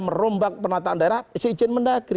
merombak penataan daerah seizin mendagri